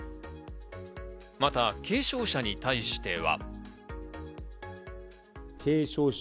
また軽症者に対しては。